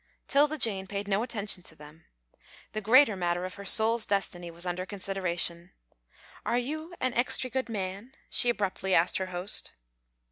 'Tilda Jane paid no attention to them. The greater matter of her soul's destiny was under consideration. "Are you an extry good man?" she abruptly asked her host.